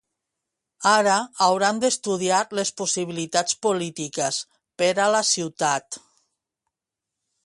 Ara, hauran d'estudiar les possibilitats polítiques per a la ciutat.